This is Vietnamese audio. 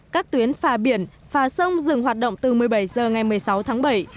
các tuyến phà biển phà sông dừng hoạt động từ một mươi bảy h ngày một mươi sáu tháng bảy